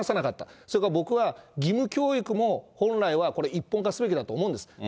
それから僕は、義務教育も本来はこれ、一本化すべきだと思うんです。